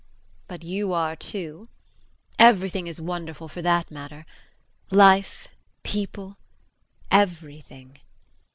But you are too. Everything is wonderful for that matter. Life, people everything.